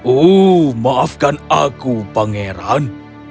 oh maafkan aku pangeran